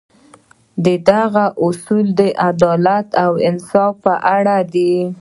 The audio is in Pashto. د هغه اصول د عدالت او انصاف په اړه دي.